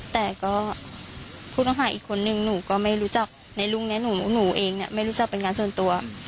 แต่ก็ผู้ต้องหาอีกคนนึงหนูก็ไม่รู้จักในลุงเนี่ยหนูเองเนี่ยไม่รู้จักเป็นงานส่วนตัว